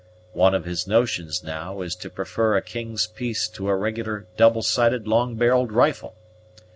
One of his notions, now, is to prefer a king's piece to a regular, double sighted, long barrelled rifle.